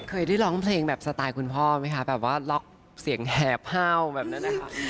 เคยได้ร้องเพลงแบบสไตล์คุณพ่อไหมคะแบบว่าล็อกเสียงแหบห้าวแบบนั้นนะคะ